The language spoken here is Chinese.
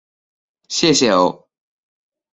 谢谢哦